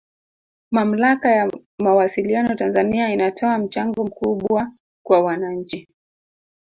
Mamlaka ya Mawasiliano Tanzania inatoa mchango mkubwa kwa wananchi